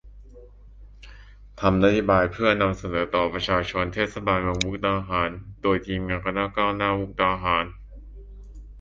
ทำนโยบายเพื่อนำเสนอต่อประชาชนเทศบาลเมืองมุกดาหาร โดยทีมงานคณะก้าวหน้ามุกดาหาร